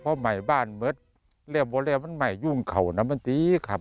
เพราะใหม่บ้านเหมือนเรียกว่ามันใหม่ยุ่งเขาน้ำมันดีครับ